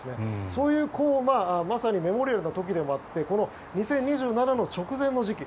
そういうまさにメモリアルな時でもあってこの２０２７年の直前の時期。